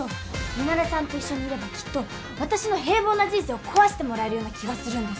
ミナレさんと一緒にいればきっと私の平凡な人生を壊してもらえるような気がするんです。